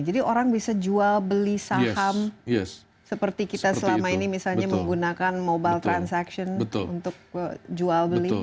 jadi orang bisa jual beli saham seperti kita selama ini misalnya menggunakan mobile transaction untuk jual beli